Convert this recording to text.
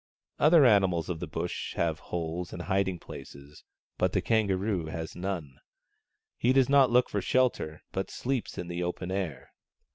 Other animals of the Bush have holes and hiding places, but the Kangaroo has none. He does not look for shelter, but sleeps in the open air.